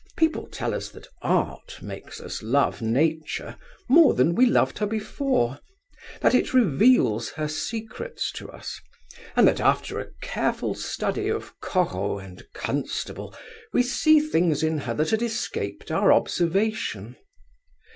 People tell us that Art makes us love Nature more than we loved her before; that it reveals her secrets to us; and that after a careful study of Corot and Constable we see things in her that had escaped our observation.